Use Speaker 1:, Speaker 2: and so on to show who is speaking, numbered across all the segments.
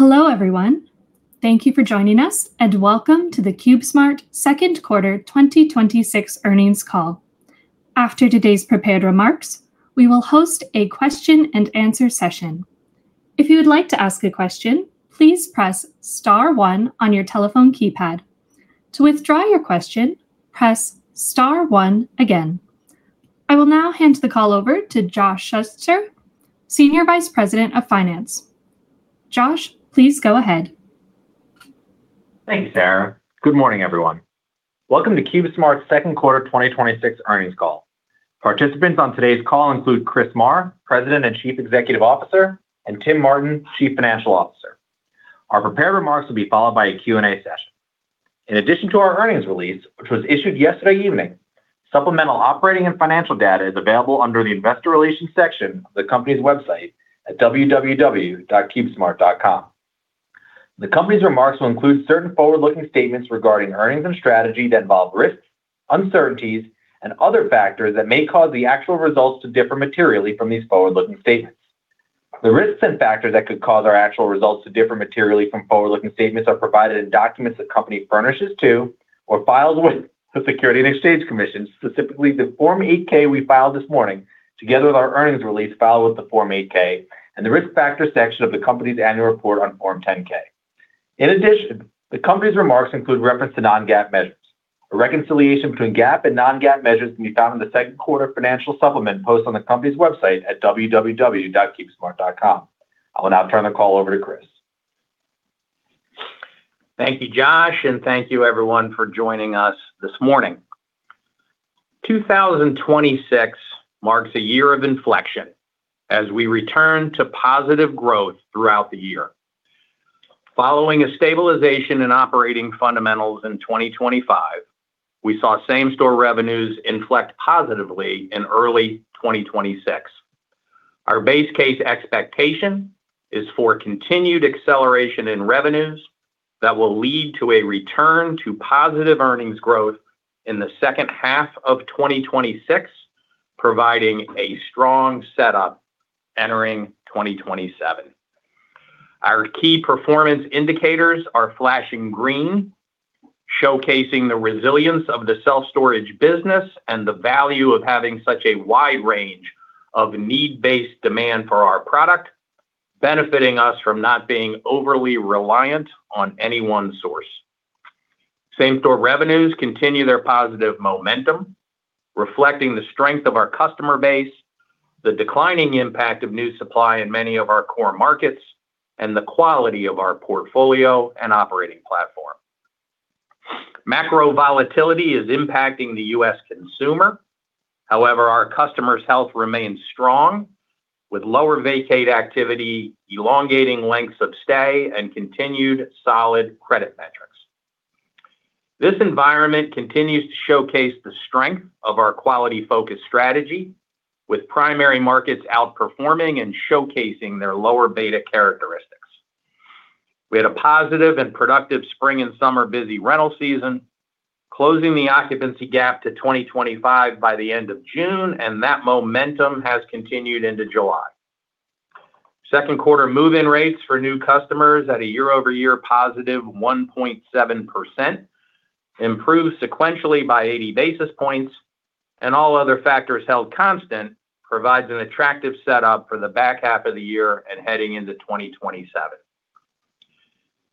Speaker 1: Hello, everyone. Thank you for joining us, and welcome to the CubeSmart second quarter 2026 earnings call. After today's prepared remarks, we will host a question and answer session. If you would like to ask a question, please press star one on your telephone keypad. To withdraw your question, press star one again. I will now hand the call over to Josh Schutzer, Senior Vice President of Finance. Josh, please go ahead.
Speaker 2: Thanks, Sarah. Good morning, everyone. Welcome to CubeSmart's second quarter 2026 earnings call. Participants on today's call include Chris Marr, President and Chief Executive Officer, and Tim Martin, Chief Financial Officer. Our prepared remarks will be followed by a Q and A session. In addition to our earnings release, which was issued yesterday evening, supplemental operating and financial data is available under the investor relations section of the company's website at www.cubesmart.com. The company's remarks will include certain forward-looking statements regarding earnings and strategy that involve risks, uncertainties and other factors that may cause the actual results to differ materially from these forward-looking statements. The risks and factors that could cause our actual results to differ materially from forward-looking statements are provided in documents the company furnishes to or files with the Securities and Exchange Commission, specifically the Form 8-K we filed this morning, together with our earnings release filed with the Form 8-K and the risk factors section of the company's annual report on Form 10-K. In addition, the company's remarks include reference to non-GAAP measures. A reconciliation between GAAP and non-GAAP measures can be found in the second quarter financial supplement posted on the company's website at www.cubesmart.com. I will now turn the call over to Chris.
Speaker 3: Thank you, Josh, and thank you everyone for joining us this morning. 2026 marks a year of inflection as we return to positive growth throughout the year. Following a stabilization in operating fundamentals in 2025, we saw same-store revenues inflect positively in early 2026. Our base case expectation is for continued acceleration in revenues that will lead to a return to positive earnings growth in the second half of 2026, providing a strong setup entering 2027. Our key performance indicators are flashing green, showcasing the resilience of the self-storage business and the value of having such a wide range of need-based demand for our product, benefiting us from not being overly reliant on any one source. Same-store revenues continue their positive momentum, reflecting the strength of our customer base, the declining impact of new supply in many of our core markets, and the quality of our portfolio and operating platform. Macro volatility is impacting the U.S. consumer. However, our customers' health remains strong, with lower vacate activity, elongating lengths of stay, and continued solid credit metrics. This environment continues to showcase the strength of our quality-focused strategy, with primary markets outperforming and showcasing their lower beta characteristics. We had a positive and productive spring and summer busy rental season, closing the occupancy gap to 2025 by the end of June, and that momentum has continued into July. Second quarter move-in rates for new customers at a year-over-year positive 1.7%, improved sequentially by 80 basis points, and all other factors held constant, provides an attractive setup for the back half of the year and heading into 2027.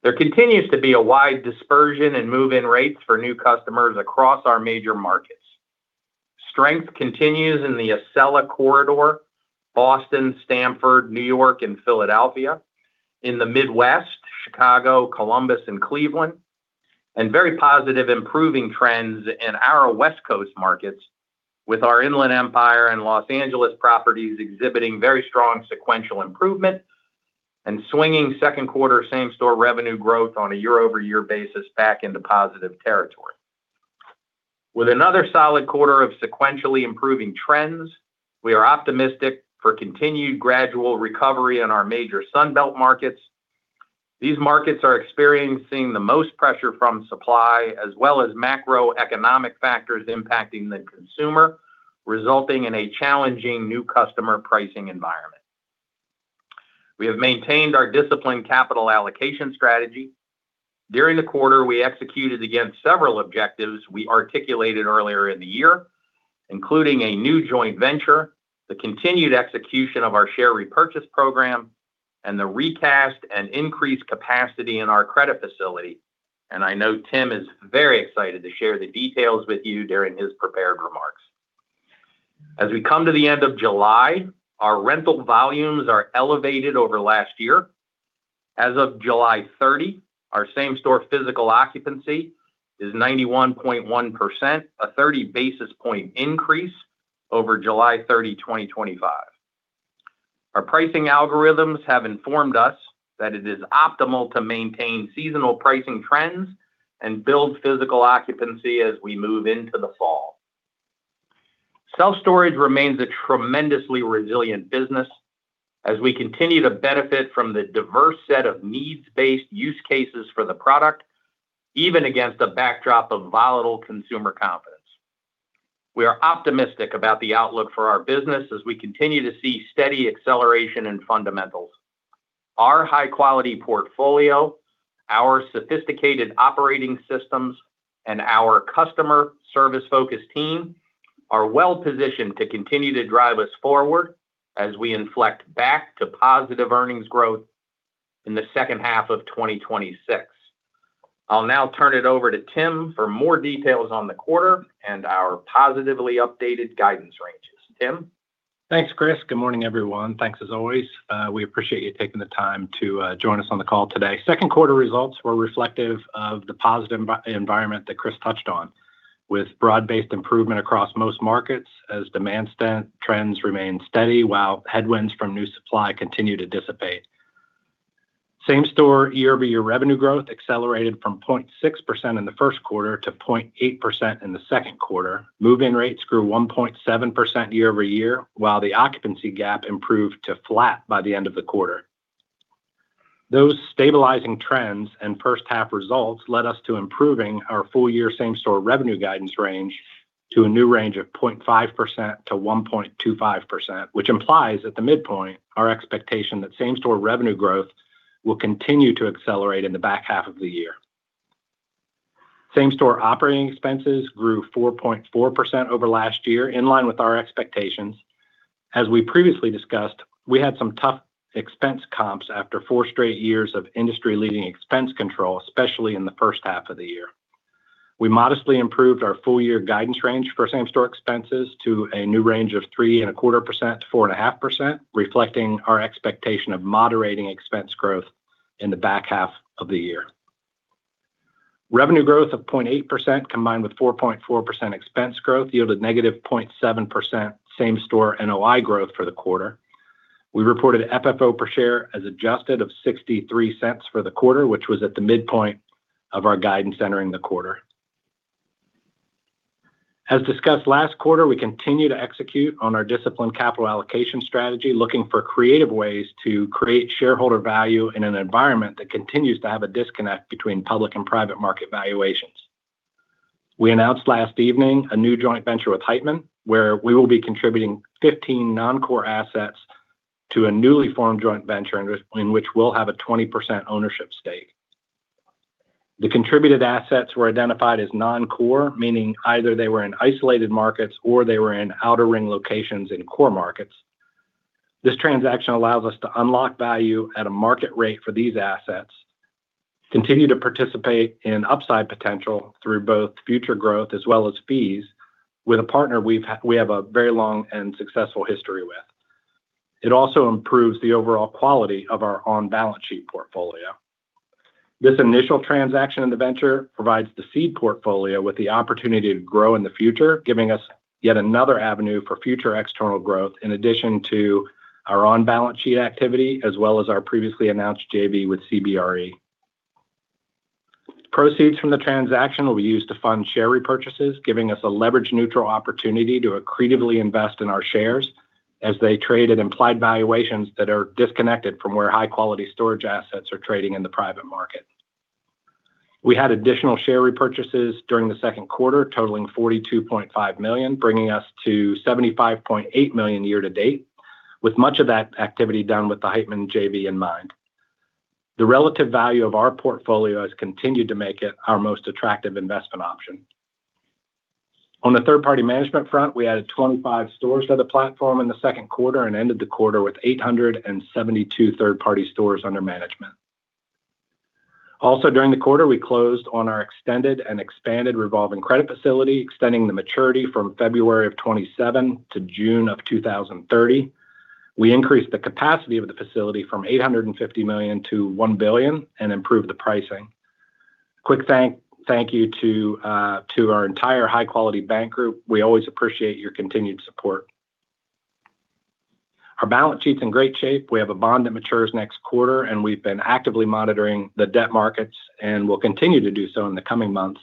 Speaker 3: There continues to be a wide dispersion in move-in rates for new customers across our major markets. Strength continues in the Acela Corridor, Boston, Stamford, New York and Philadelphia. In the Midwest, Chicago, Columbus and Cleveland. Very positive improving trends in our West Coast markets with our Inland Empire and Los Angeles properties exhibiting very strong sequential improvement and swinging second quarter same-store revenue growth on a year-over-year basis back into positive territory. With another solid quarter of sequentially improving trends, we are optimistic for continued gradual recovery in our major Sun Belt markets. These markets are experiencing the most pressure from supply as well as macroeconomic factors impacting the consumer, resulting in a challenging new customer pricing environment. We have maintained our disciplined capital allocation strategy. During the quarter, we executed against several objectives we articulated earlier in the year, including a new joint venture, the continued execution of our share repurchase program. The recast and increased capacity in our credit facility. I know Tim is very excited to share the details with you during his prepared remarks. As we come to the end of July, our rental volumes are elevated over last year. As of July 30, our same-store physical occupancy is 91.1%, a 30-basis point increase over July 30, 2025. Our pricing algorithms have informed us that it is optimal to maintain seasonal pricing trends and build physical occupancy as we move into the fall. Self-storage remains a tremendously resilient business as we continue to benefit from the diverse set of needs-based use cases for the product, even against a backdrop of volatile consumer confidence. We are optimistic about the outlook for our business as we continue to see steady acceleration and fundamentals. Our high-quality portfolio, our sophisticated operating systems, and our customer service-focused team are well-positioned to continue to drive us forward as we inflect back to positive earnings growth in the second half of 2026. I'll now turn it over to Tim for more details on the quarter and our positively updated guidance ranges. Tim?
Speaker 4: Thanks, Chris. Good morning, everyone. Thanks as always. We appreciate you taking the time to join us on the call today. Second quarter results were reflective of the positive environment that Chris touched on, with broad-based improvement across most markets as demand trends remain steady while headwinds from new supply continue to dissipate. Same store year-over-year revenue growth accelerated from 0.6% in the first quarter to 0.8% in the second quarter. Move-in rates grew 1.7% year-over-year, while the occupancy gap improved to flat by the end of the quarter. Those stabilizing trends and first half results led us to improving our full- year same store revenue guidance range to a new range of 0.5%-1.25%, which implies at the midpoint our expectation that same store revenue growth will continue to accelerate in the back half of the year. Same store operating expenses grew 4.4% over last year, in line with our expectations. As we previously discussed, we had some tough expense comps after four straight years of industry-leading expense control, especially in the first half of the year. We modestly improved our full- year guidance range for same store expenses to a new range of 3.25%-4.5%, reflecting our expectation of moderating expense growth in the back half of the year. Revenue growth of 0.8%, combined with 4.4% expense growth yielded negative 0.7% same store NOI growth for the quarter. We reported FFO per share as adjusted of $0.63 for the quarter, which was at the midpoint of our guidance entering the quarter. As discussed last quarter, we continue to execute on our disciplined capital allocation strategy, looking for creative ways to create shareholder value in an environment that continues to have a disconnect between public and private market valuations. We announced last evening a new joint venture with Heitman, where we will be contributing 15 non-core assets to a newly formed joint venture in which we'll have a 20% ownership stake. The contributed assets were identified as non-core, meaning either they were in isolated markets or they were in outer ring locations in core markets. This transaction allows us to unlock value at a market rate for these assets, continue to participate in upside potential through both future growth as well as fees with a partner we have a very long and successful history with. It also improves the overall quality of our on-balance sheet portfolio. This initial transaction in the venture provides the seed portfolio with the opportunity to grow in the future, giving us yet another avenue for future external growth in addition to our on-balance sheet activity, as well as our previously announced JV with CBRE. Proceeds from the transaction will be used to fund share repurchases, giving us a leverage-neutral opportunity to accretively invest in our shares as they trade at implied valuations that are disconnected from where high-quality storage assets are trading in the private market. We had additional share repurchases during the second quarter, totaling $42.5 million, bringing us to $75.8 million year to date, with much of that activity done with the Heitman JV in mind. The relative value of our portfolio has continued to make it our most attractive investment option. On the third-party management front, we added 25 stores to the platform in the second quarter and ended the quarter with 872 third-party stores under management. Also, during the quarter, we closed on our extended and expanded revolving credit facility, extending the maturity from February of 2027 to June of 2030. We increased the capacity of the facility from $850 million to $1 billion and improved the pricing. Quick thank you to our entire high-quality bank group. We always appreciate your continued support. Our balance sheet's in great shape. We have a bond that matures next quarter, and we've been actively monitoring the debt markets and will continue to do so in the coming months.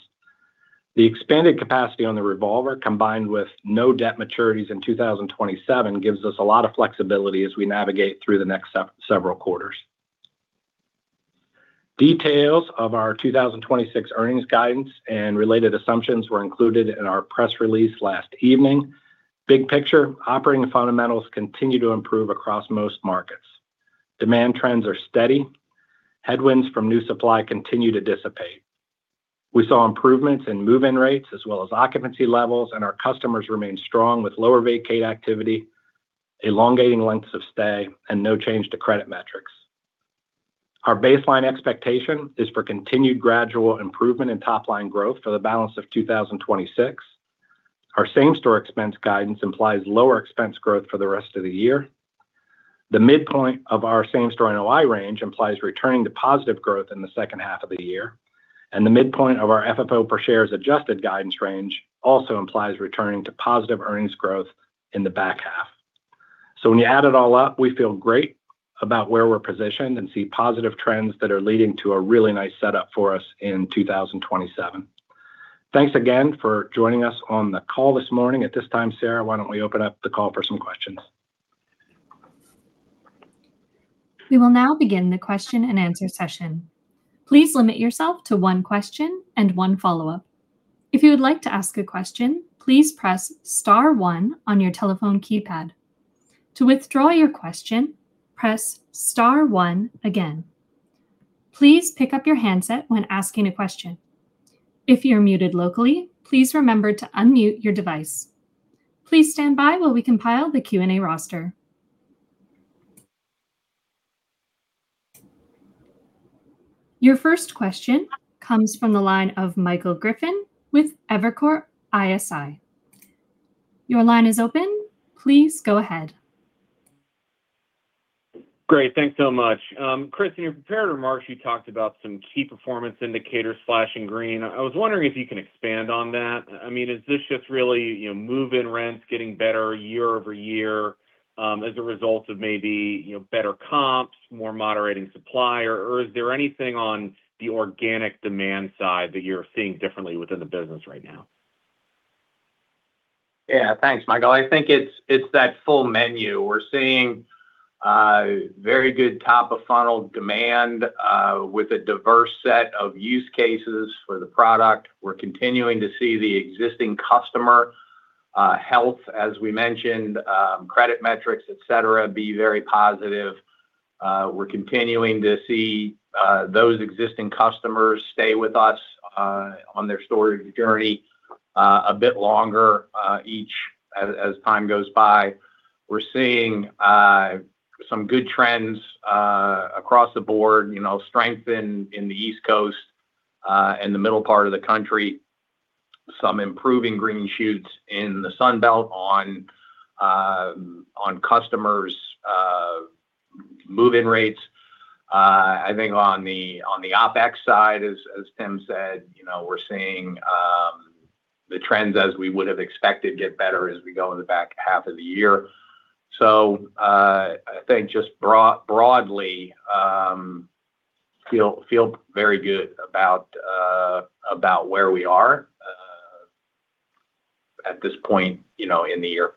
Speaker 4: The expanded capacity on the revolver, combined with no debt maturities in 2027, gives us a lot of flexibility as we navigate through the next several quarters. Details of our 2026 earnings guidance and related assumptions were included in our press release last evening. Big picture, operating fundamentals continue to improve across most markets. Demand trends are steady. Headwinds from new supply continue to dissipate. We saw improvements in move-in rates as well as occupancy levels, and our customers remain strong with lower vacate activity, elongating lengths of stay, and no change to credit metrics. Our baseline expectation is for continued gradual improvement in top line growth for the balance of 2026. Our same store expense guidance implies lower expense growth for the rest of the year. The midpoint of our same store NOI range implies returning to positive growth in the second half of the year, and the midpoint of our FFO per share's adjusted guidance range also implies returning to positive earnings growth in the back half. When you add it all up, we feel great about where we're positioned and see positive trends that are leading to a really nice setup for us in 2027. Thanks again for joining us on the call this morning. At this time, Sarah, why don't we open up the call for some questions?
Speaker 1: We will now begin the question and answer session. Please limit yourself to one question and one follow-up. If you would like to ask a question, please press star one on your telephone keypad. To withdraw your question, press star one again. Please pick up your handset when asking a question. If you're muted locally, please remember to unmute your device. Please stand by while we compile the Q&A roster. Your first question comes from the line of Michael Griffin with Evercore ISI. Your line is open. Please go ahead.
Speaker 5: Great. Thanks so much. Chris, in your prepared remarks, you talked about some key performance indicators flashing green. I was wondering if you can expand on that. Is this just really move-in rents getting better year-over-year as a result of maybe better comps, more moderating supply, or is there anything on the organic demand side that you're seeing differently within the business right now?
Speaker 3: Yeah. Thanks, Michael. I think it's that full menu. We're seeing very good top-of-funnel demand with a diverse set of use cases for the product. We're continuing to see the existing customer health, as we mentioned, credit metrics, et cetera, be very positive. We're continuing to see those existing customers stay with us on their storage journey a bit longer each, as time goes by. We're seeing some good trends across the board, strength in the East Coast, in the middle part of the country. Some improving green shoots in the Sun Belt on customers' move-in rates. I think on the OpEx side, as Tim said, we're seeing the trends as we would've expected, get better as we go in the back half of the year. I think just broadly, feel very good about where we are at this point in the year.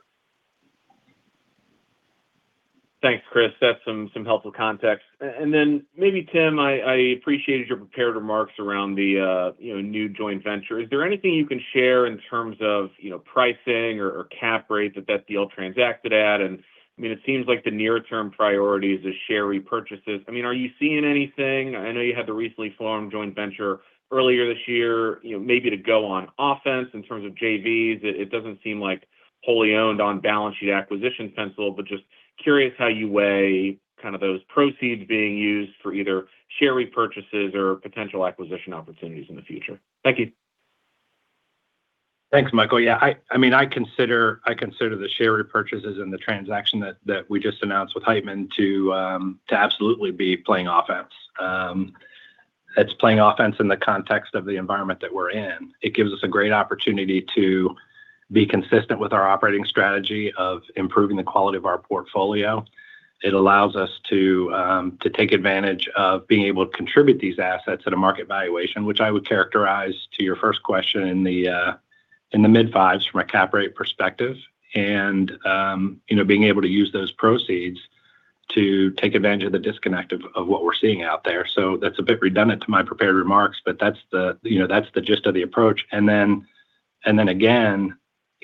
Speaker 5: Thanks, Chris. That's some helpful context. Maybe Tim, I appreciated your prepared remarks around the new joint venture. Is there anything you can share in terms of pricing or cap rates that that deal transacted at? It seems like the near-term priority is the share repurchases. Are you seeing anything, I know you had the recently formed joint venture earlier this year, maybe to go on offense in terms of JVs? It doesn't seem like wholly owned on balance sheet acquisition pencil, but just curious how you weigh those proceeds being used for either share repurchases or potential acquisition opportunities in the future. Thank you.
Speaker 4: Thanks, Michael. Yeah, I consider the share repurchases and the transaction that we just announced with Heitman to absolutely be playing offense. It's playing offense in the context of the environment that we're in. It gives us a great opportunity to be consistent with our operating strategy of improving the quality of our portfolio. It allows us to take advantage of being able to contribute these assets at a market valuation, which I would characterize to your first question in the mid-fives from a cap rate perspective. Being able to use those proceeds to take advantage of the disconnect of what we're seeing out there. That's a bit redundant to my prepared remarks, but that's the gist of the approach. again, it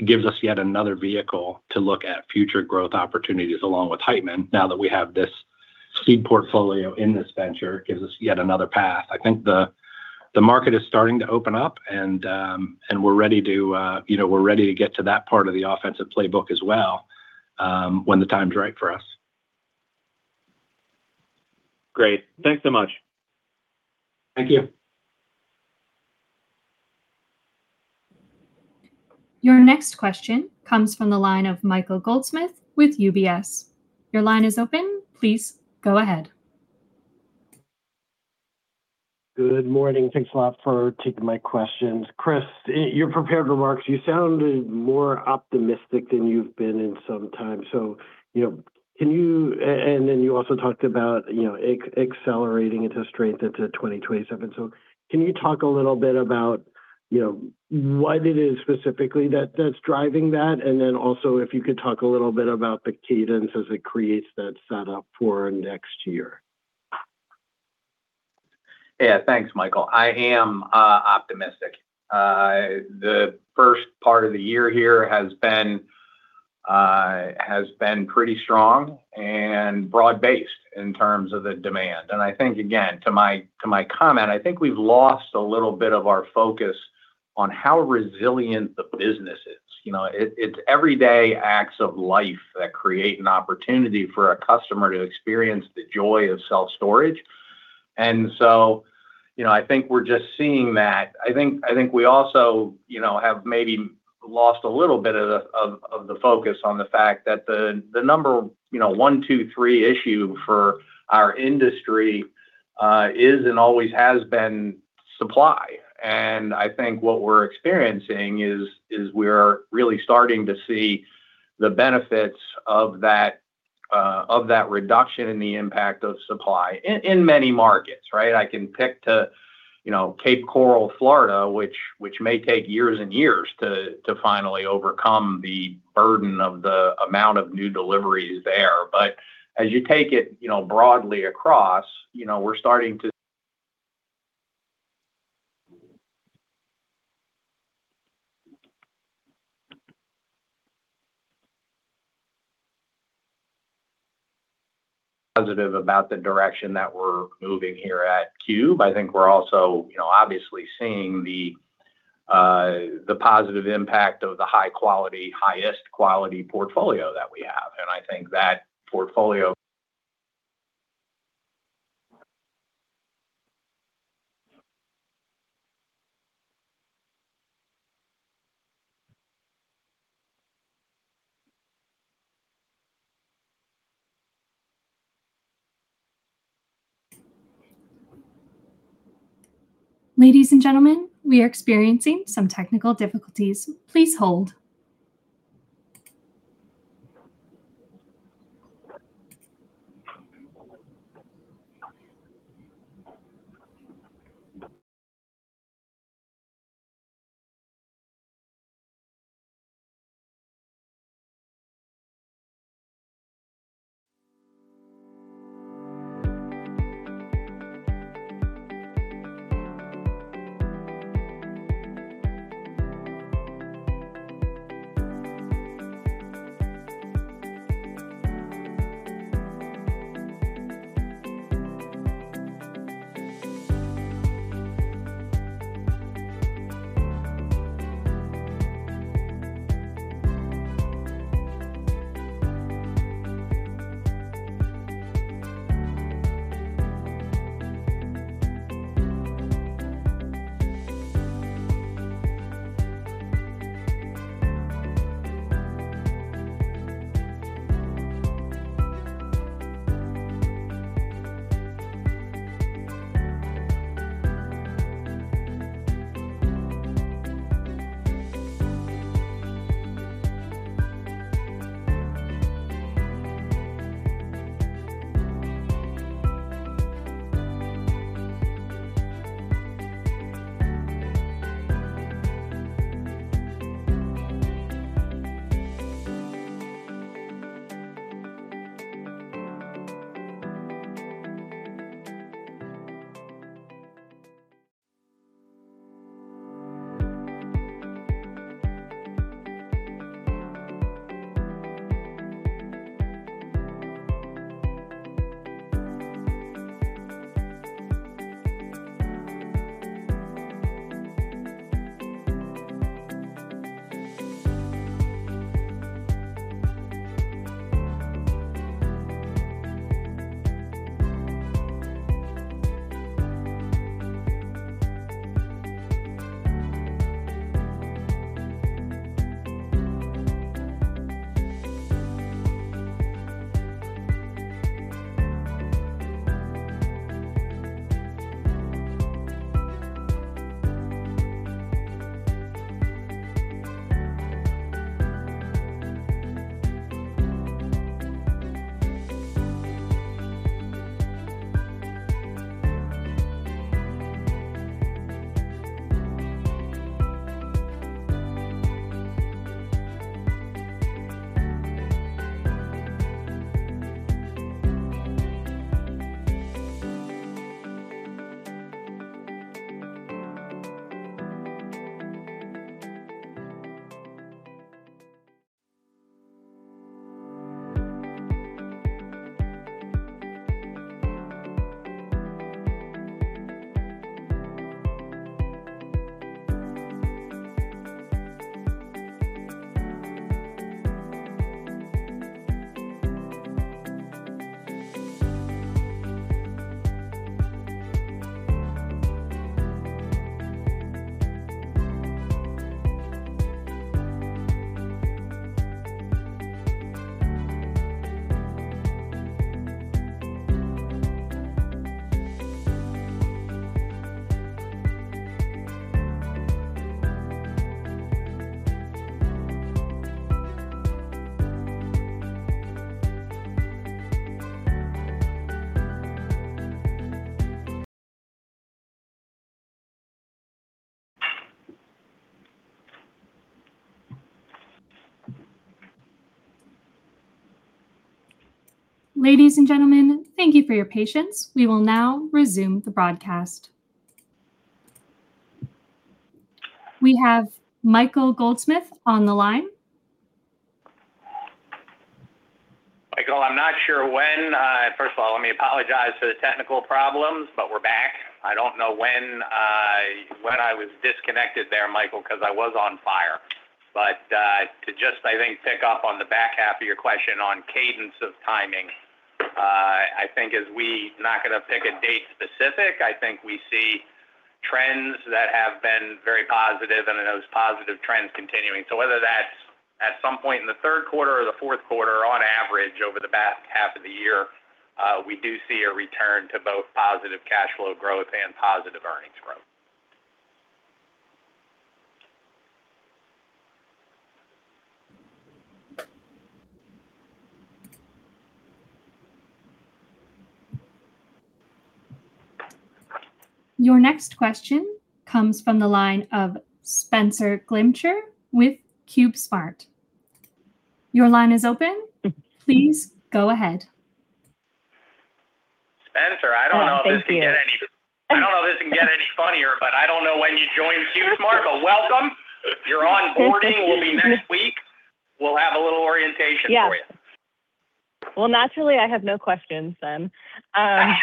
Speaker 4: gives us yet another vehicle to look at future growth opportunities along with Heitman now that we have this seed portfolio in this venture, gives us yet another path. I think the market is starting to open up and we're ready to get to that part of the offensive playbook as well, when the time's right for us.
Speaker 5: Great. Thanks so much.
Speaker 4: Thank you.
Speaker 1: Your next question comes from the line of Michael Goldsmith with UBS. Your line is open. Please go ahead.
Speaker 6: Good morning. Thanks a lot for taking my questions. Chris, in your prepared remarks, you sounded more optimistic than you've been in some time. You also talked about accelerating into strength into 2027. Can you talk a little bit about what it is specifically that's driving that? Also if you could talk a little bit about the cadence as it creates that setup for next year.
Speaker 3: Yeah. Thanks, Michael. I am optimistic. The first part of the year here has been pretty strong and broad-based in terms of the demand. I think, again, to my comment, I think we've lost a little bit of our focus on how resilient the business is. It's everyday acts of life that create an opportunity for a customer to experience the joy of self-storage. I think we're just seeing that. I think we also have maybe lost a little bit of the focus on the fact that the number 1, 2, 3 issue for our industry is and always has been supply. I think what we're experiencing is we're really starting to see the benefits of that reduction in the impact of supply in many markets, right? I can pick to Cape Coral, Florida, which may take years and years to finally overcome the burden of the amount of new deliveries there. As you take it broadly across, we're starting to Positive about the direction that we're moving here at Cube. I think we're also obviously seeing the positive impact of the highest quality portfolio that we have.
Speaker 1: Ladies and gentlemen, we are experiencing some technical difficulties. Please hold. Ladies and gentlemen, thank you for your patience. We will now resume the broadcast. We have Michael Goldsmith on the line.
Speaker 3: Michael, first of all, let me apologize for the technical problems. We're back. I don't know when I was disconnected there, Michael, because I was on fire. To just pick up on the back half of your question on cadence of timing. As we not going to pick a date specific, we see trends that have been very positive and those positive trends continuing. Whether that's at some point in the third quarter or the fourth quarter, on average, over the back half of the year, we do see a return to both positive cash flow growth and positive earnings growth.
Speaker 1: Your next question comes from the line of Spenser Glimcher with CubeSmart. Your line is open. Please go ahead.
Speaker 3: Spenser, I don't know if this can get any funnier. I don't know when you joined CubeSmart, welcome. Your onboarding will be next week. We'll have a little orientation for you.
Speaker 7: Naturally, I have no questions then. Yeah.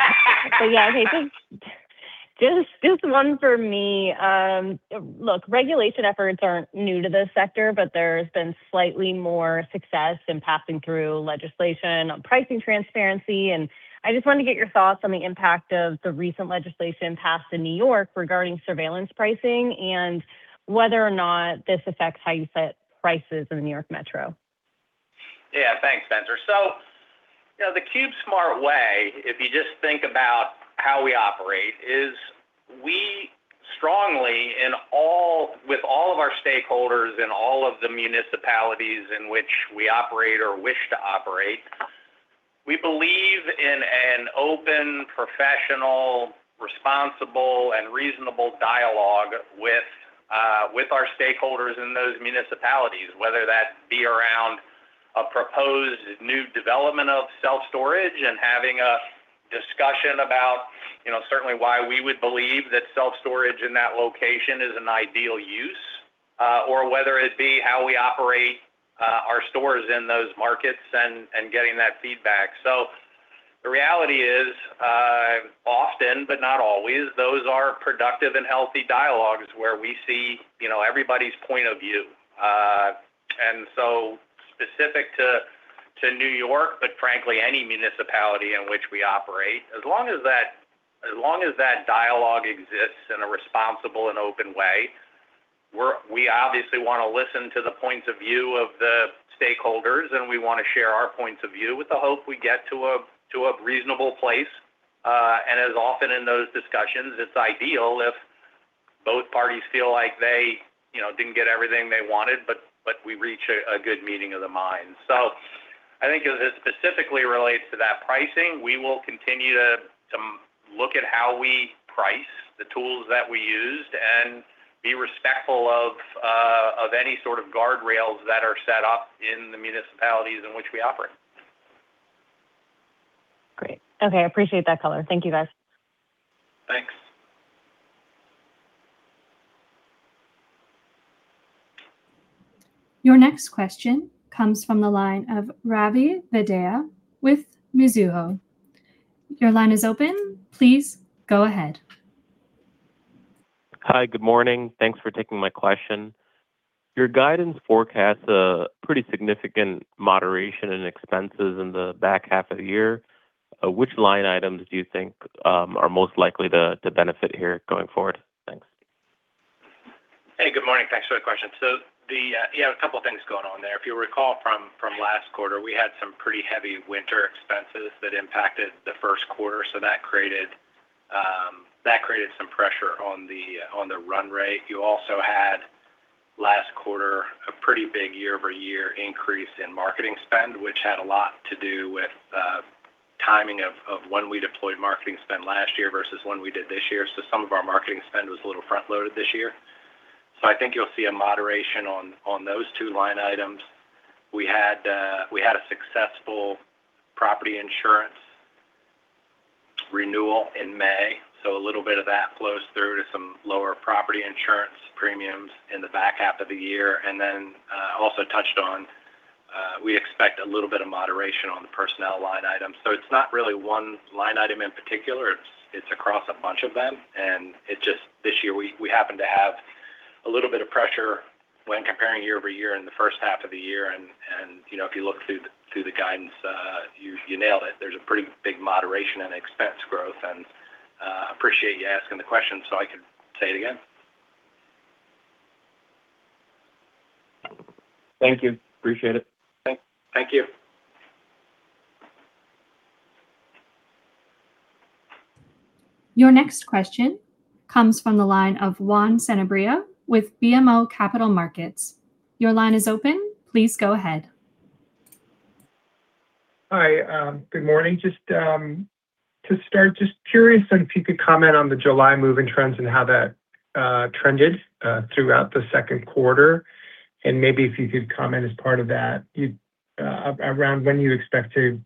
Speaker 7: Just one for me. Regulation efforts aren't new to this sector, there's been slightly more success in passing through legislation on pricing transparency, and I just wanted to get your thoughts on the impact of the recent legislation passed in New York regarding surveillance pricing and whether or not this affects how you set prices in the New York metro.
Speaker 3: Thanks, Spenser. The CubeSmart way, if you just think about how we operate, is we strongly with all of our stakeholders in all of the municipalities in which we operate or wish to operate, we believe in an open, professional, responsible, and reasonable dialogue with our stakeholders in those municipalities, whether that be around a proposed new development of self-storage and having a discussion about certainly why we would believe that self-storage in that location is an ideal use, or whether it be how we operate our stores in those markets and getting that feedback. The reality is, often, but not always, those are productive and healthy dialogues where we see everybody's point of view. Specific to New York, but frankly, any municipality in which we operate, as long as that dialogue exists in a responsible and open way, we obviously want to listen to the points of view of the stakeholders, and we want to share our points of view with the hope we get to a reasonable place. As often in those discussions, it's ideal if both parties feel like they didn't get everything they wanted, but we reach a good meeting of the minds. I think as it specifically relates to that pricing, we will continue to look at how we price the tools that we used and be respectful of any sort of guardrails that are set up in the municipalities in which we operate.
Speaker 7: Great. Okay. I appreciate that color. Thank you, guys.
Speaker 3: Thanks.
Speaker 1: Your next question comes from the line of Ravi Vaidya with Mizuho. Your line is open. Please go ahead.
Speaker 8: Hi. Good morning. Thanks for taking my question. Your guidance forecast a pretty significant moderation in expenses in the back half of the year. Which line items do you think are most likely to benefit here going forward? Thanks.
Speaker 4: Hey, good morning. Thanks for the question. You have a couple of things going on there. If you'll recall from last quarter, we had some pretty heavy winter expenses that impacted the first quarter, so that created some pressure on the run rate. You also had, last quarter, a pretty big year-over-year increase in marketing spend, which had a lot to do with the timing of when we deployed marketing spend last year versus when we did this year. Some of our marketing spend was a little front-loaded this year. I think you'll see a moderation on those two line items. We had a successful property insurance renewal in May, so a little bit of that flows through to some lower property insurance premiums in the back half of the year. I also touched on we expect a little bit of moderation on the personnel line item. It's not really one line item in particular. It's across a bunch of them, and it's just this year we happen to have a little bit of pressure when comparing year-over-year in the first half of the year, and if you look through the guidance, you nailed it. There's a pretty big moderation in expense growth, and appreciate you asking the question so I could say it again.
Speaker 8: Thank you. Appreciate it.
Speaker 4: Thanks. Thank you.
Speaker 1: Your next question comes from the line of Juan Sanabria with BMO Capital Markets. Your line is open. Please go ahead.
Speaker 9: Hi. Good morning. Just to start, just curious if you could comment on the July move and trends and how that trended throughout the second quarter. Maybe if you could comment as part of that around when you expect to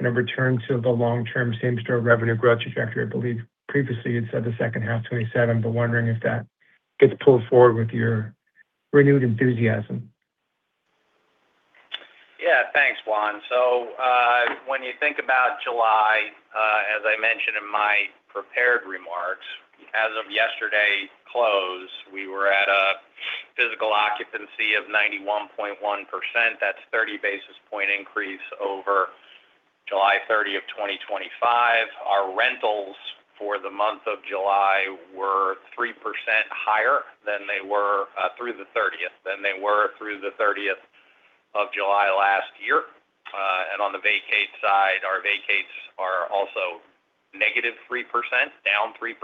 Speaker 9: kind of return to the long-term same-store revenue growth trajectory. I believe previously you'd said the second half 2027, wondering if that gets pulled forward with your renewed enthusiasm.
Speaker 3: Yeah. Thanks, Juan. When you think about July, as I mentioned in my prepared remarks, as of yesterday close, we were at a physical occupancy of 91.1%. That's 30-basis point increase over July 30 of 2025. Our rentals for the month of July were 3% higher than they were through the 30th of July last year. On the vacate side, our vacates are also negative 3%, down 3%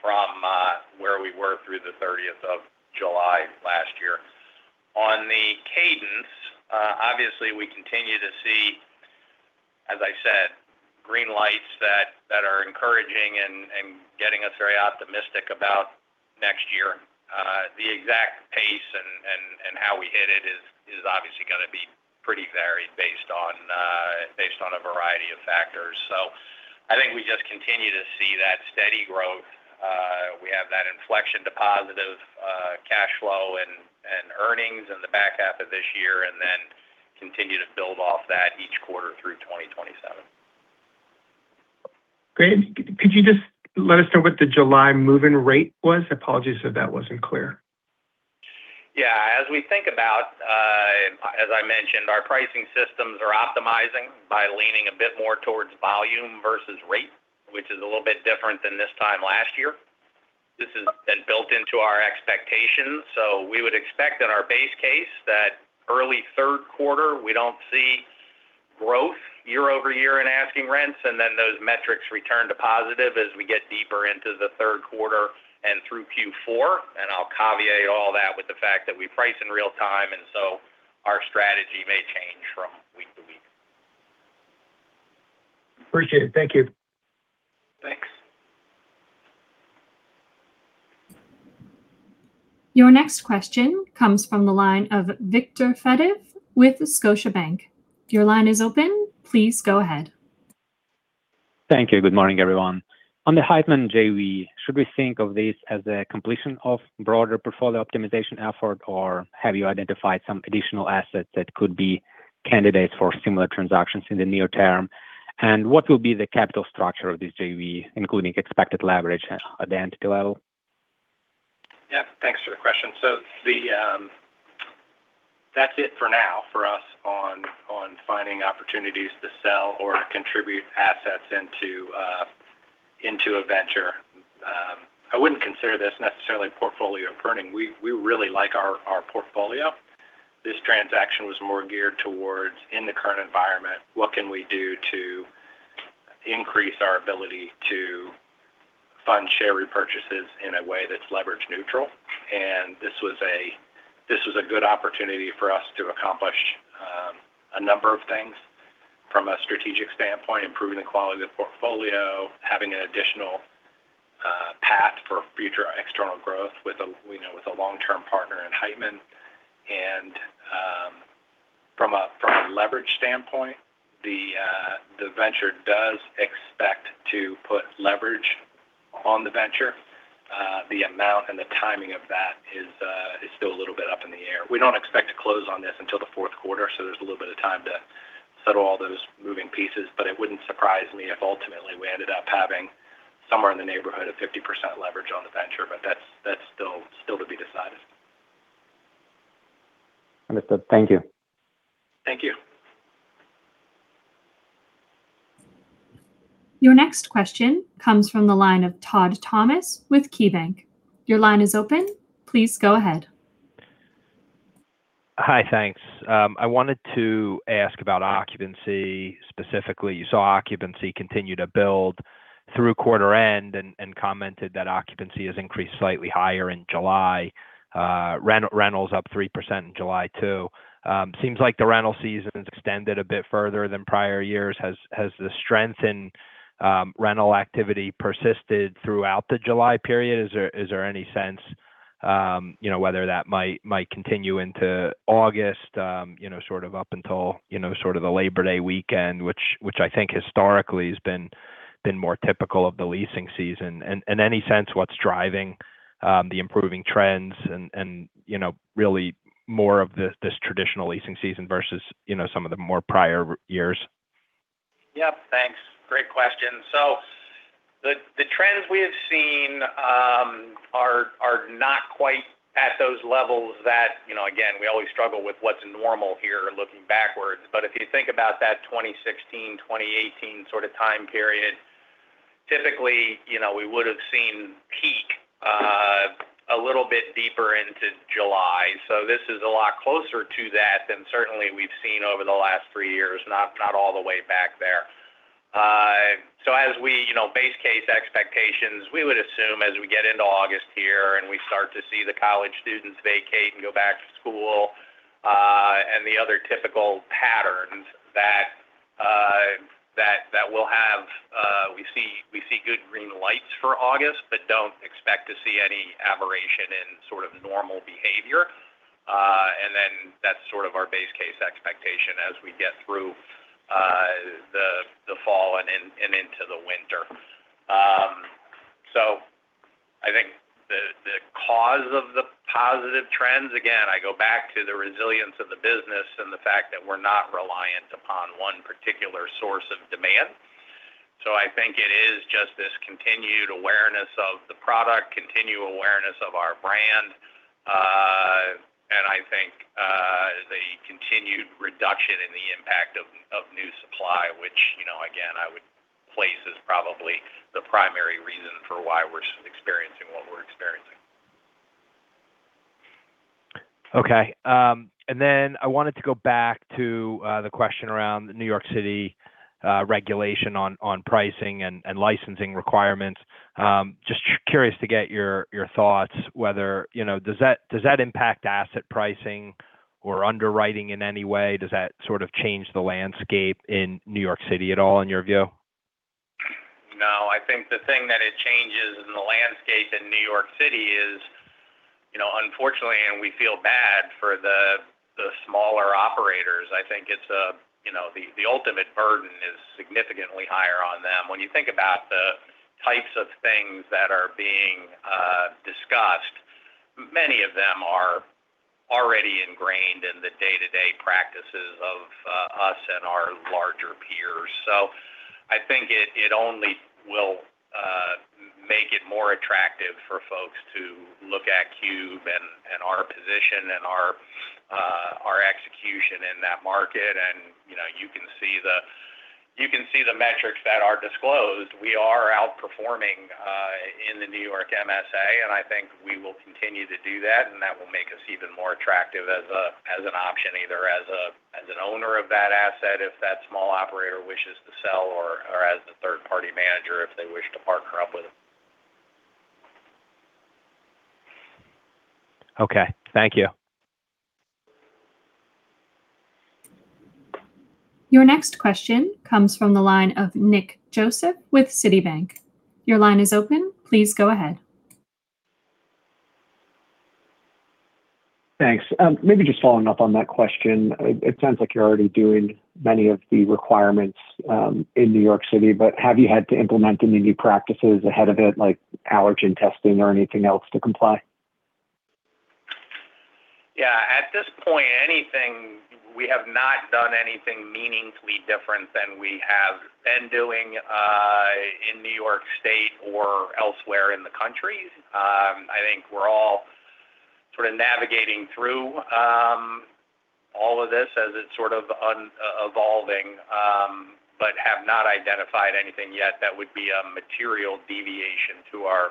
Speaker 3: from where we were through the 30th of July last year. On the cadence, obviously we continue to see, as I said, green lights that are encouraging and getting us very optimistic about next year. The exact pace and how we hit it is obviously going to be pretty varied based on a variety of factors. I think we just continue to see that steady growth. We have that inflection to positive cash flow and earnings in the back half of this year, then continue to build off that each quarter through 2027.
Speaker 9: Greg, could you just let us know what the July move-in rate was? Apologies if that wasn't clear.
Speaker 3: Yeah. As I mentioned, our pricing systems are optimizing by leaning a bit more towards volume versus rate, which is a little bit different than this time last year. This has been built into our expectations. We would expect in our base case that early third quarter, we don't see growth year-over-year in asking rents, then those metrics return to positive as we get deeper into the third quarter and through Q4. I'll caveat all that with the fact that we price in real time, our strategy may change from week to week.
Speaker 9: Appreciate it. Thank you.
Speaker 3: Thanks.
Speaker 1: Your next question comes from the line of Viktor Fediv with Scotiabank. Your line is open. Please go ahead.
Speaker 10: Thank you. Good morning, everyone. On the Heitman JV, should we think of this as a completion of broader portfolio optimization effort, or have you identified some additional assets that could be candidates for similar transactions in the near- term? What will be the capital structure of this JV, including expected leverage at the entity level?
Speaker 4: Yeah, thanks for the question. That's it for now for us on finding opportunities to sell or contribute assets into a venture. I wouldn't consider this necessarily portfolio pruning. We really like our portfolio. This transaction was more geared towards in the current environment, what can we do to increase our ability to fund share repurchases in a way that's leverage neutral? This was a good opportunity for us to accomplish a number of things from a strategic standpoint, improving the quality of the portfolio, having an additional path for future external growth with a long-term partner in Heitman. From a leverage standpoint, the venture does expect to put leverage on the venture. The amount and the timing of that is still a little bit up in the air. We don't expect to close on this until the fourth quarter, there's a little bit of time to settle all those moving pieces. It wouldn't surprise me if ultimately we ended up having somewhere in the neighborhood of 50% leverage on the venture, that's still to be decided.
Speaker 10: Understood. Thank you.
Speaker 4: Thank you.
Speaker 1: Your next question comes from the line of Todd Thomas with KeyBank. Your line is open. Please go ahead.
Speaker 11: Hi, thanks. I wanted to ask about occupancy, specifically you saw occupancy continue to build through quarter end, and commented that occupancy has increased slightly higher in July. Rentals up 3% in July too. Seems like the rental season's extended a bit further than prior years. Has the strength in rental activity persisted throughout the July period? Is there any sense whether that might continue into August, sort of up until, sort of the Labor Day weekend? Which I think historically has been more typical of the leasing season. Any sense what's driving the improving trends and really more of this traditional leasing season versus some of the more prior years?
Speaker 3: Thanks. The trends we have seen are not quite at those levels that, again, we always struggle with what's normal here looking backwards. If you think about that 2016, 2018 sort of time period, typically we would've seen peak a little bit deeper into July. This is a lot closer to that than certainly we've seen over the last three years, not all the way back there. As we base case expectations, we would assume as we get into August here and we start to see the college students vacate and go back to school, and the other typical patterns that we'll have. We see good green lights for August, but don't expect to see any aberration in sort of normal behavior. That's sort of our base case expectation as we get through the fall and into the winter. I think the cause of the positive trends, again, I go back to the resilience of the business and the fact that we're not reliant upon one particular source of demand. I think it is just this continued awareness of the product, continued awareness of our brand. I think the continued reduction in the impact of new supply, which again, I would place as probably the primary reason for why we're experiencing what we're experiencing.
Speaker 11: I wanted to go back to the question around New York City regulation on pricing and licensing requirements. Just curious to get your thoughts whether, does that impact asset pricing or underwriting in any way? Does that sort of change the landscape in New York City at all in your view?
Speaker 3: No, I think the thing that it changes in the landscape in New York City is, unfortunately, and we feel bad for the smaller operators, I think the ultimate burden is significantly higher on them. When you think about the types of things that are being discussed, many of them are already ingrained in the day-to-day practices of us and our larger peers. I think it only will make it more attractive for folks to look at Cube and our position and our execution in that market. You can see the metrics that are disclosed. We are outperforming in the New York MSA, and I think we will continue to do that, and that will make us even more attractive as an option, either as an owner of that asset if that small operator wishes to sell or as the third-party manager if they wish to partner up with them.
Speaker 11: Okay. Thank you.
Speaker 1: Your next question comes from the line of Nick Joseph with Citi. Your line is open. Please go ahead.
Speaker 12: Thanks. Maybe just following up on that question. It sounds like you're already doing many of the requirements in New York City. Have you had to implement any new practices ahead of it, like allergen testing or anything else to comply?
Speaker 3: Yeah. At this point, we have not done anything meaningfully different than we have been doing in New York State or elsewhere in the country. I think we're all sort of navigating through all of this as it's sort of evolving, but have not identified anything yet that would be a material deviation to our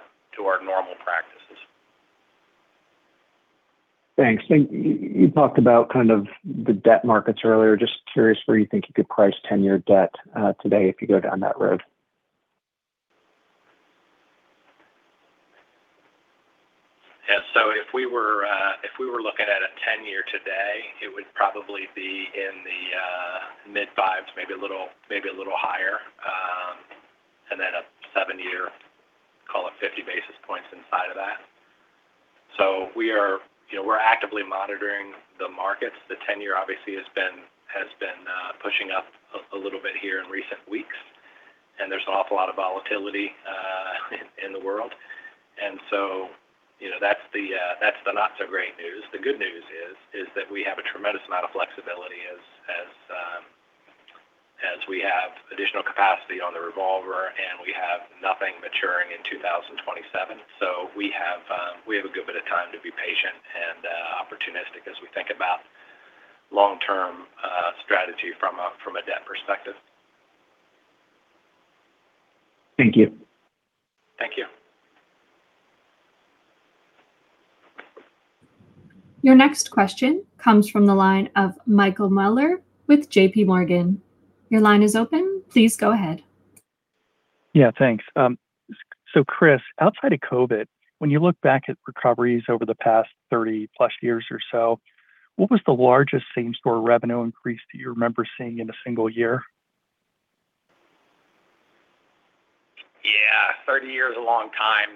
Speaker 3: normal practices.
Speaker 12: Thanks. You talked about kind of the debt markets earlier. Just curious where you think you could price 10-year debt today if you go down that road.
Speaker 4: Yeah. If we were looking at a 10-year today, it would probably be in the mid-5s, maybe a little higher. A seven-year, call it 50 basis points inside of that. We're actively monitoring the markets. The 10-year obviously has been pushing up a little bit here in recent weeks, and there's an awful lot of volatility in the world. That's the not so great news. The good news is that we have a tremendous amount of flexibility as we have additional capacity on the revolver, and we have nothing maturing in 2027. We have a good bit of time to be patient and opportunistic as we think about long-term strategy from a debt perspective.
Speaker 12: Thank you.
Speaker 4: Thank you.
Speaker 1: Your next question comes from the line of Michael Mueller with JPMorgan. Your line is open. Please go ahead.
Speaker 13: Yeah. Thanks. Chris, outside of COVID, when you look back at recoveries over the past 30 plus years or so, what was the largest same-store revenue increase that you remember seeing in a single year?
Speaker 3: Yeah. 30 years is a long time.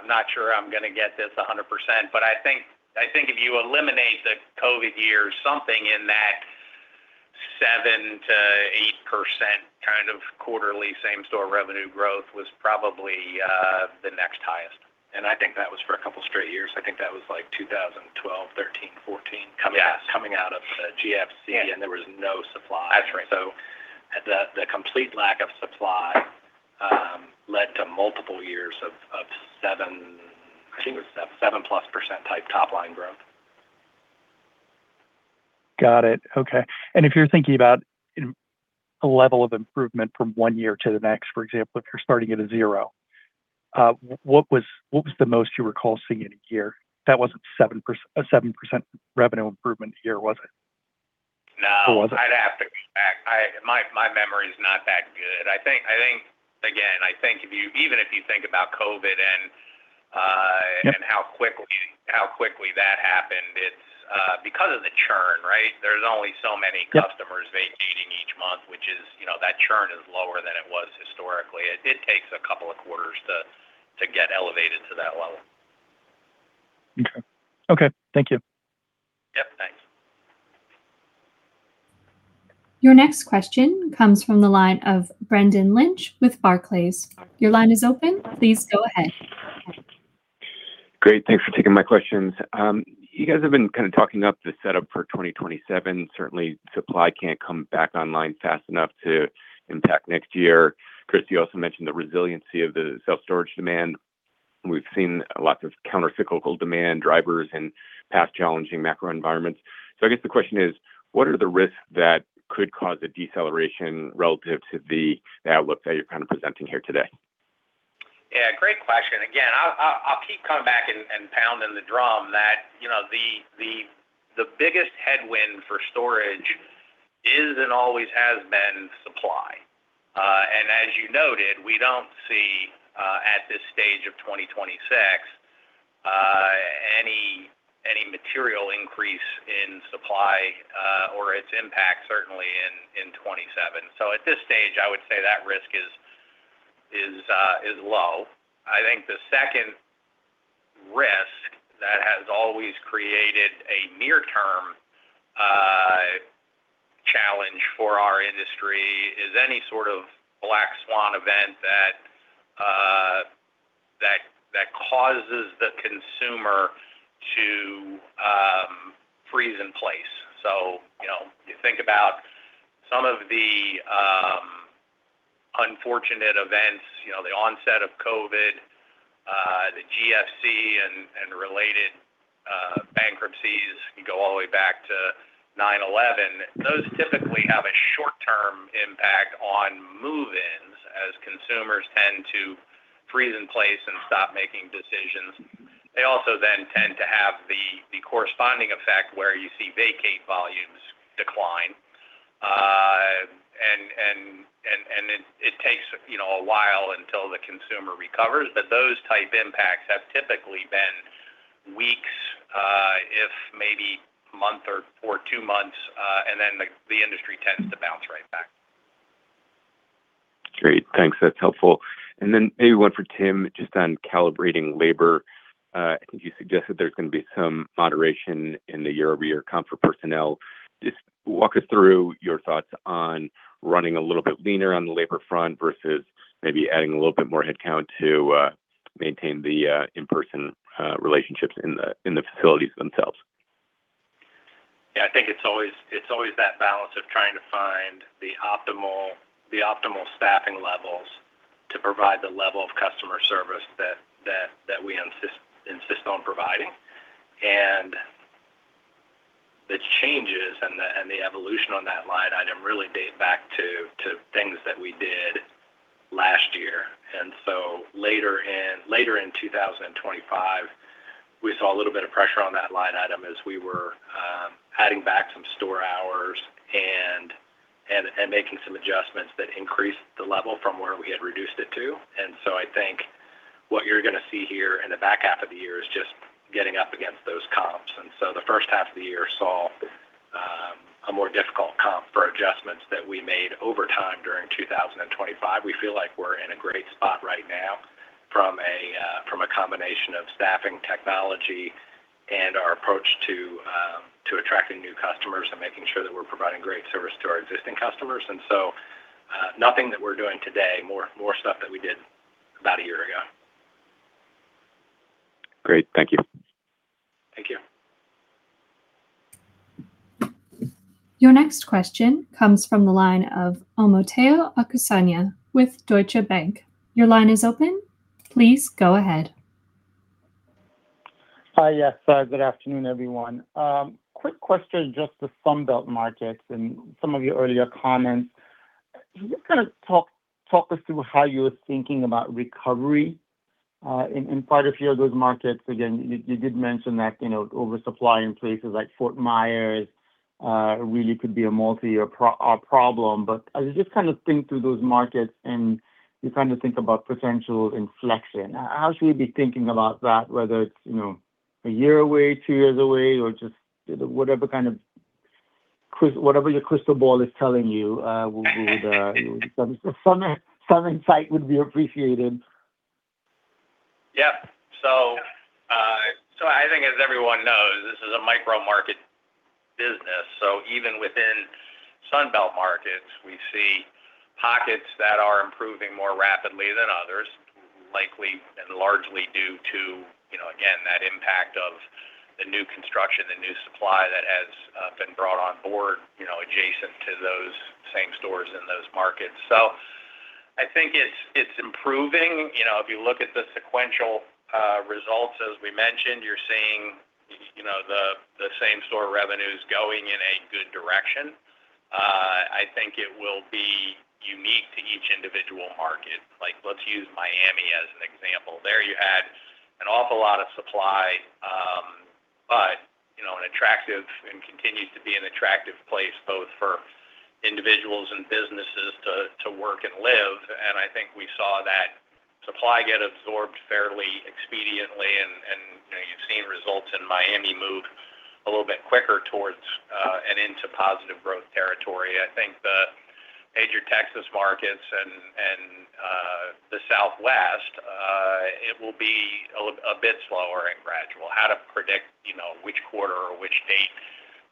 Speaker 3: I'm not sure I'm going to get this 100%, but I think if you eliminate the COVID years, something in that 7%-8% kind of quarterly same-store revenue growth was probably the next highest.
Speaker 4: I think that was for a couple of straight years. I think that was like 2012, 2013, 2014.
Speaker 3: Yeah coming out of the GFC, and there was no supply.
Speaker 4: That's right. The complete lack of supply led to multiple years of seven.
Speaker 3: I think it was seven
Speaker 4: 7+% type top-line growth.
Speaker 13: Got it. Okay. If you're thinking about a level of improvement from one year to the next, for example, if you're starting at a zero, what was the most you recall seeing in a year? That wasn't a 7% revenue improvement year, was it?
Speaker 3: No. Was it? I'd have to go back. My memory is not that good. Again, I think even if you think about COVID and how quickly that happened, it's because of the churn, right? There's only so many customers vacating each month, which is, that churn is lower than it was historically. It takes a couple of quarters to get elevated to that level.
Speaker 13: Okay. Thank you.
Speaker 3: Yeah. Thanks.
Speaker 1: Your next question comes from the line of Brendan Lynch with Barclays. Your line is open. Please go ahead.
Speaker 14: Thanks for taking my questions. You guys have been kind of talking up the setup for 2027. Certainly, supply can't come back online fast enough to impact next year. Chris, you also mentioned the resiliency of the self-storage demand. We've seen lots of counter-cyclical demand drivers in past challenging macro environments. I guess the question is: What are the risks that could cause a deceleration relative to the outlook that you're kind of presenting here today?
Speaker 3: Yeah, great question. Again, I'll keep coming back and pounding the drum that the biggest headwind for storage is and always has been supply. As you noted, we don't see, at this stage of 2026, any material increase in supply or its impact certainly in 2027. At this stage, I would say that risk is low. I think the second risk that has always created a near- term challenge for our industry is any sort of black swan event that causes the consumer to freeze in place. You think about some of the unfortunate events, the onset of COVID, the GFC and related bankruptcies. You can go all the way back to 9/11. Those typically have a short- term impact on move-ins as consumers tend to freeze in place and stop making decisions. They also then tend to have the corresponding effect where you see vacate volumes decline. It takes a while until the consumer recovers. Those type impacts have typically been weeks, if maybe a month or two months, and then the industry tends to bounce right back.
Speaker 14: Great. Thanks. That's helpful. Maybe one for Tim, just on calibrating labor. I think you suggested there's going to be some moderation in the year-over-year comp for personnel. Just walk us through your thoughts on running a little bit leaner on the labor front versus maybe adding a little bit more headcount to maintain the in-person relationships in the facilities themselves.
Speaker 4: Yeah, I think it's always that balance of trying to find the optimal staffing levels to provide the level of customer service that we insist on providing. The changes and the evolution on that line item really date back to things that we did last year. Later in 2025, we saw a little bit of pressure on that line item as we were adding back some store hours and making some adjustments that increased the level from where we had reduced it to. I think what you're going to see here in the back half of the year is just getting up against those comps. The first half of the year saw a more difficult comp for adjustments that we made over time during 2025. We feel like we're in a great spot right now from a combination of staffing technology and our approach to attracting new customers and making sure that we're providing great service to our existing customers. Nothing that we're doing today, more stuff that we did about a year ago.
Speaker 14: Great. Thank you.
Speaker 4: Thank you.
Speaker 1: Your next question comes from the line of Omotayo Okusanya with Deutsche Bank. Your line is open. Please go ahead.
Speaker 15: Hi, yes. Good afternoon, everyone. Quick question just the Sun Belt markets and some of your earlier comments. Can you just kind of talk us through how you're thinking about recovery in quite a few of those markets? Again, you did mention that, oversupply in places like Fort Myers really could be a multi-year problem. As you just kind of think through those markets and you kind of think about potential inflection, how should we be thinking about that, whether it's a year away, two years away, or just whatever your crystal ball is telling you? Some insight would be appreciated.
Speaker 3: Yeah. I think as everyone knows, this is a micro market business. Even within Sun Belt markets, we see pockets that are improving more rapidly than others, likely and largely due to, again, that impact of the new construction, the new supply that has been brought on board, adjacent to those same stores in those markets. I think it's improving. If you look at the sequential results, as we mentioned, you're seeing the same store revenues going in a good direction. I think it will be unique to each individual market. Let's use Miami as an example. There you had an awful lot of supply, but an attractive and continues to be an attractive place both for individuals and businesses to work and live. I think we saw that supply get absorbed fairly expediently, and you've seen results in Miami move a little bit quicker towards and into positive growth territory. I think the major Texas markets and the Southwest, it will be a bit slower and gradual. How to predict which quarter or which date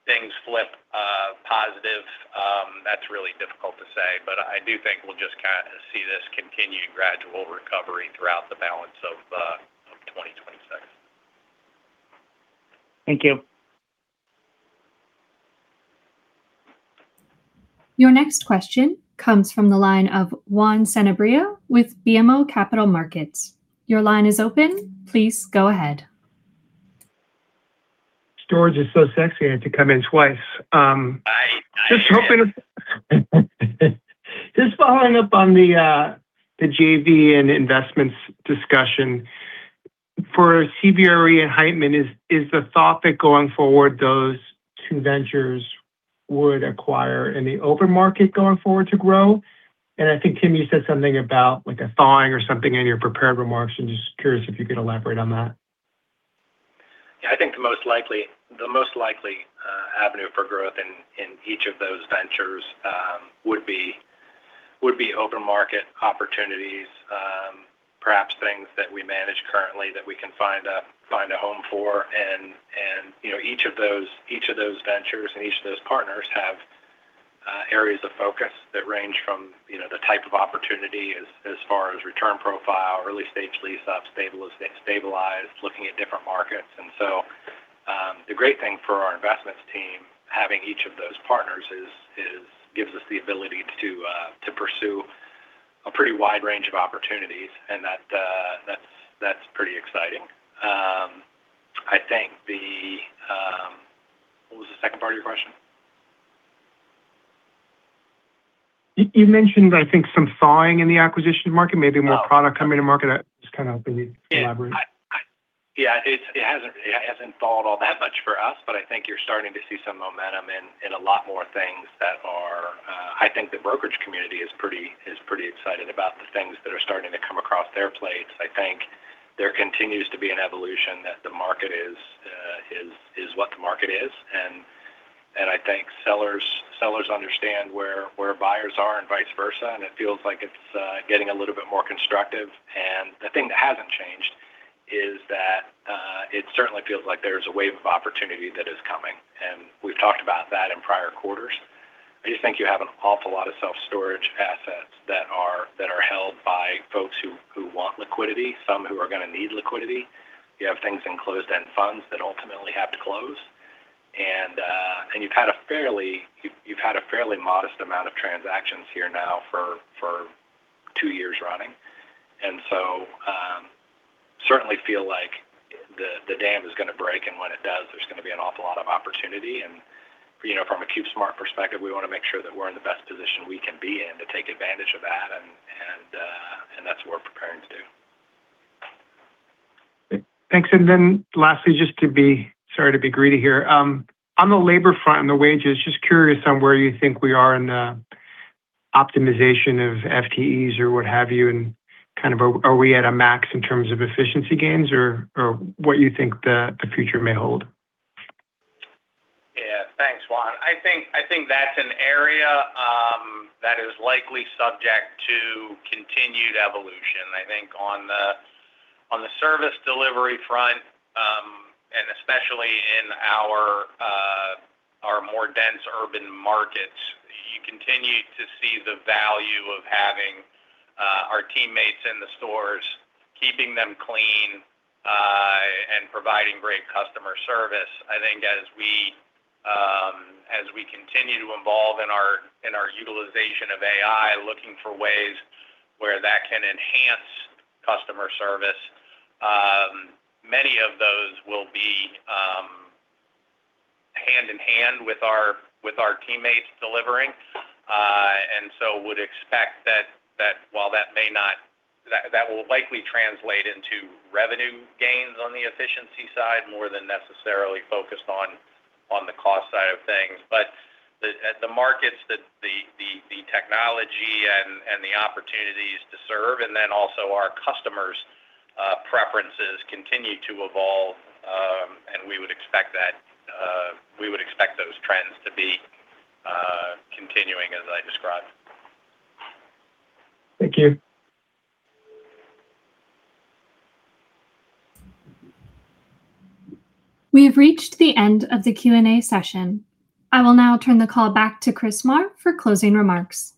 Speaker 3: things flip positive, that's really difficult to say. I do think we'll just kind of see this continued gradual recovery throughout the balance of 2026.
Speaker 15: Thank you.
Speaker 1: Your next question comes from the line of Juan Sanabria with BMO Capital Markets. Your line is open. Please go ahead.
Speaker 9: George is so sexy, I had to come in twice. Just hoping to following up on the JV and investments discussion. For CBRE and Heitman, is the thought that going forward those two ventures would acquire in the open market going forward to grow? I think, Tim, you said something about a thawing or something in your prepared remarks. I'm just curious if you could elaborate on that.
Speaker 4: Yeah. I think the most likely avenue for growth in each of those ventures would be open market opportunities, perhaps things that we manage currently that we can find a home for. Each of those ventures and each of those partners have areas of focus that range from the type of opportunity as far as return profile, early stage lease up, stabilized, looking at different markets. The great thing for our investments team, having each of those partners gives us the ability to pursue a pretty wide range of opportunities, and that's pretty exciting. What was the second part of your question?
Speaker 9: You mentioned, I think, some thawing in the acquisition market, maybe more product coming to market. I'm just kind of hoping you'd elaborate.
Speaker 4: Yeah. It hasn't thawed all that much for us, but I think you're starting to see some momentum in a lot more things that I think the brokerage community is pretty excited about the things that are starting to come across their plates. I think there continues to be an evolution that the market is what the market is. I think sellers understand where buyers are and vice versa, it feels like it's getting a little bit more constructive. The thing that hasn't changed is that it certainly feels like there's a wave of opportunity that is coming, we've talked about that in prior quarters. I just think you have an awful lot of self-storage assets that are held by folks who want liquidity, some who are going to need liquidity. You have things in closed-end funds that ultimately have to close. You've had a fairly modest amount of transactions here now for two years running. Certainly feel like the dam is going to break, when it does, there's going to be an awful lot of opportunity. From a CubeSmart perspective, we want to make sure that we're in the best position we can be in to take advantage of that's what we're preparing to do.
Speaker 9: Thanks. Lastly, sorry to be greedy here. On the labor front and the wages, just curious on where you think we are in the optimization of FTEs or what have you, are we at a max in terms of efficiency gains? What you think the future may hold?
Speaker 3: Yeah. Thanks, Juan. I think that's an area that is likely subject to continued evolution. I think on the service delivery front, especially in our more dense urban markets, you continue to see the value of having our teammates in the stores, keeping them clean, and providing great customer service. I think as we continue to evolve in our utilization of AI, looking for ways where that can enhance customer service, many of those will be hand-in-hand with our teammates delivering. Would expect that that will likely translate into revenue gains on the efficiency side more than necessarily focused on the cost side of things. At the markets that the technology and the opportunities to serve, also our customers' preferences continue to evolve, we would expect those trends to be continuing as I described.
Speaker 9: Thank you.
Speaker 1: We have reached the end of the Q and A session. I will now turn the call back to Chris Marr for closing remarks.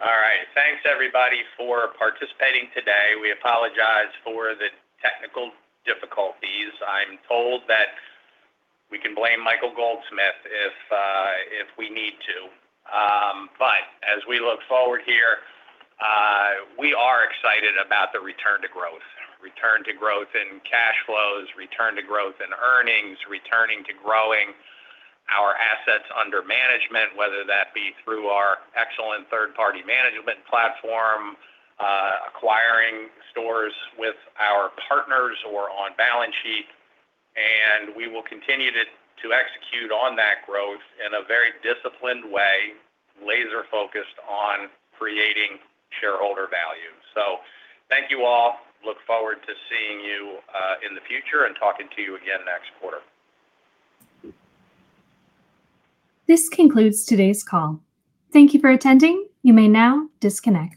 Speaker 3: All right. Thanks everybody for participating today. We apologize for the technical difficulties. I'm told that we can blame Michael Goldsmith if we need to. As we look forward here, we are excited about the return to growth. Return to growth in cash flows, return to growth in earnings, returning to growing our assets under management, whether that be through our excellent third-party management platform, acquiring stores with our partners or on balance sheet. We will continue to execute on that growth in a very disciplined way, laser-focused on creating shareholder value. Thank you all. Look forward to seeing you in the future and talking to you again next quarter.
Speaker 1: This concludes today's call. Thank you for attending. You may now disconnect.